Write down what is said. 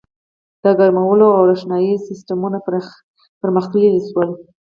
• د ګرمولو او روښنایۍ سیستمونه پرمختللي شول.